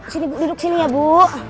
sini duduk sini ya bu